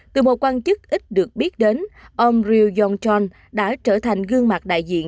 từ một quan chức ít được biết đến ông ryu jong chol đã trở thành gương mặt đại diện